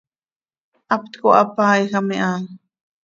haptco hapaiijam iha.